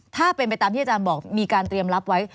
ถ้าเป็นไปตามที่อาจารย์บอกมีการเตรียมรับไว้